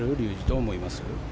どう思います？